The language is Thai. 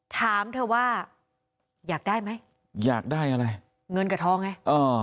ถามเธอว่าอยากได้ไหมอยากได้อะไรเงินกับทองไงเออ